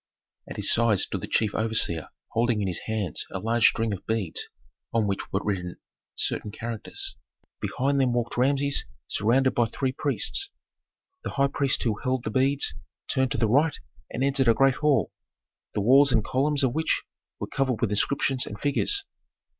At his side stood the chief overseer holding in his hands a large string of beads on which were written certain characters. Behind them walked Rameses surrounded by three priests. The high priest who held the beads turned to the right and entered a great hall, the walls and columns of which were covered with inscriptions and figures.